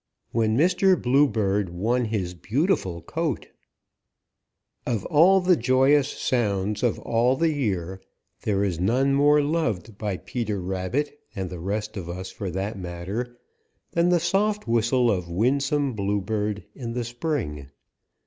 WHEN MR. BLUEBIRD WON HIS BEAUTIFUL COAT [Illustration: 0019] |OF all the joyous sounds of all the year there is none more loved by Peter Rabbit, and the rest of us for that matter, than the soft whistle of Winsome Bluebird in the spring.